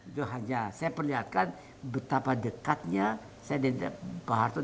itu hanya saya perlihatkan betapa dekatnya saya dengan pak harto